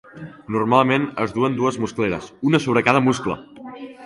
Normalment es duen dues muscleres, una sobre cada muscle.